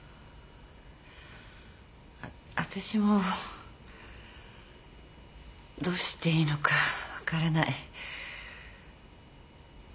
わたしもどうしていいのか分からない。